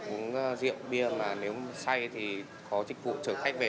uống rượu bia là nếu say thì có dịch vụ chở khách về